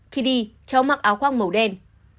khi đi cháu mặc áo khoác màu đen